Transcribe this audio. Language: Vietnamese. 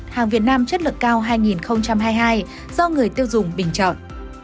hàng việt nam chất lượng cao hai nghìn hai mươi hai do người tiêu dùng bình chọn